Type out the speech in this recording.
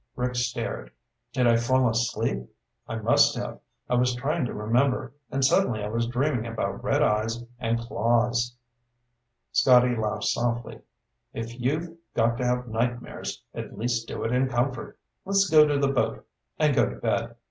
Rick stared. "Did I fall asleep? I must have. I was trying to remember, and suddenly I was dreaming about red eyes and claws " Scotty laughed softly. "If you've got to have nightmares, at least do it in comfort. Let's go to the boat and go to bed."